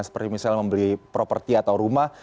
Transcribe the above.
seperti misalnya membeli properti atau rumah